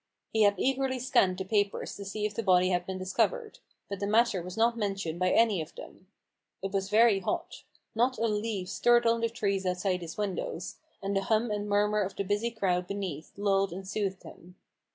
He had eagerly scanned the papers to see if the body had been discovered : but the matter was not mentioned by any of them. It was very hot. Not a leaf stirred on the trees outside his windows, and the hum and murmur of the busy crowd beneath lulled and soothed him.